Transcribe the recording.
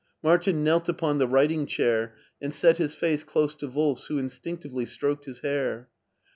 Martin knelt upon the writing chair, and set his face > close to Wolfs who instinctively stroked his hair.